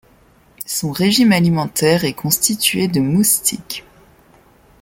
Son régime alimentaire est constitué de moustiques.